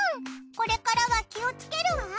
これからは気をつけるわ。